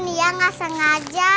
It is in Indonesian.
nia gak sengaja